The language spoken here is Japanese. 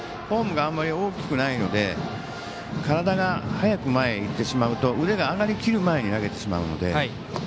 フォームがあまり大きくないので体が早く前にいってしまうと腕が上がりきる前に投げてしまうので。